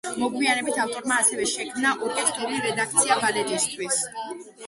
მოგვიანებით ავტორმა ასევე შექმნა ორკესტრული რედაქცია ბალეტისთვის.